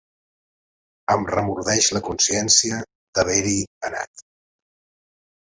Em remordeix la consciència d'haver-hi anat.